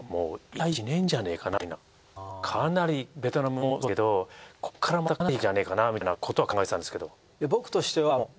かなりベトナムもそうだけどここからまたかなりいくんじゃねえかなみたいなことは考えてたんですけど。